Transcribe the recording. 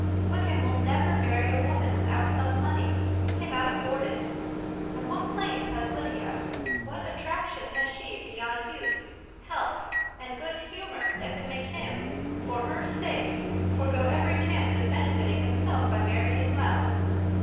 Wickham will never marry a woman without some money. He cannot afford it. And what claims has Lydia, what attractions has she beyond youth, health, and good humour, that could make him for her sake forego every chance of benefiting himself by marrying well?